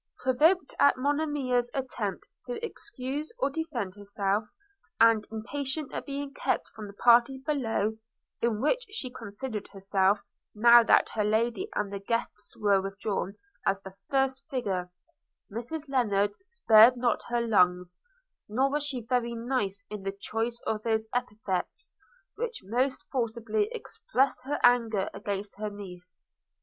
Provoked at Monimia's attempt to excuse or defend herself, and impatient at being kept from the party below, in which she considered herself, now that her lady and the guests were withdrawn, as the first figure, Mrs Lennard spared not her lungs, nor was she very nice in the choice of those epithets which most forcibly expressed her anger against her niece.